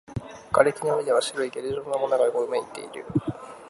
瓦礫の上では白いゲル状のものがうごめいている